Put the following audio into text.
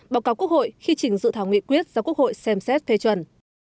báo cáo quốc hội khi chỉnh dự thảo nguyện quyết do quốc hội xem xét phê chuẩn